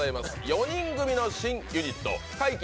４人組の新ユニット、怪奇！